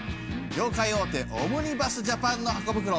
業界大手オムニバス・ジャパンのハコ袋。